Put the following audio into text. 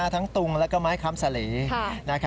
ทั้งตุงและก็ไม้คำสาหรี่